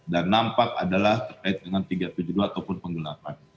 dan nampak adalah terkait dengan tiga tujuh dua ataupun penggelapan